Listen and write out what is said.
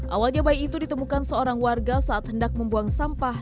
awalnya bayi itu ditemukan seorang warga saat hendak membuang sampah